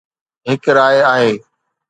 هڪ راء آهي